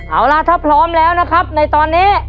เอาล่ะถ้าพร้อมแล้วนะครับในตอนนี้